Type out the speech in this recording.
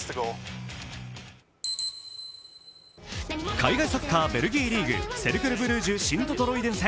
海外サッカー、ベルギーリーグセルクル・ブリュージュ×シント・トロイデン戦。